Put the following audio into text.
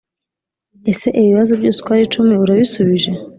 ese ibi bibazo byose uko ari icumi urabisubije ?